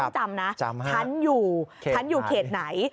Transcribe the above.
ต้องจำนะทั้งอยู่เขตไหน